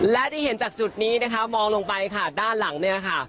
และที่เห็นจากจุดนี้นะคะมองลงไปค่ะด้านหลังเนี่ยค่ะ